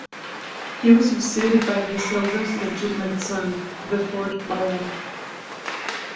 He was succeeded by his eldest legitimate son, the fourth Baron.